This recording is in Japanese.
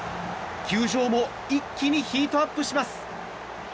球場も一気にヒートアップします。